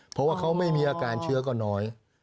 เพราะว่าเขาไม่มีอาการเชื้อก็น้อย